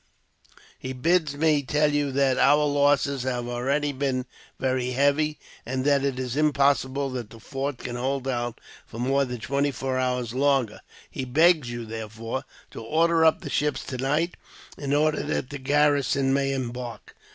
He bids me tell you that our losses have been already very heavy, and that it is impossible that the fort can hold out for more than twenty four hours longer. He begs you, therefore, to order up the ships tonight, in order that the garrison may embark."